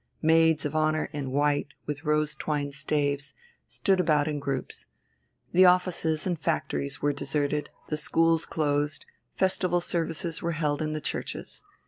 Maids of Honour in white, with rose twined staves, stood about in groups. The offices and factories were deserted, the schools closed, festival services were held in the churches.